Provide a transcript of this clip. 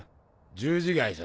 十字街さ